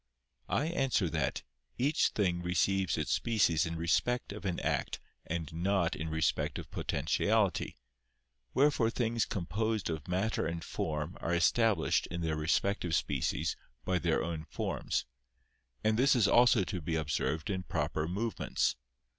I answer that, Each thing receives its species in respect of an act and not in respect of potentiality; wherefore things composed of matter and form are established in their respective species by their own forms. And this is also to be observed in proper movements.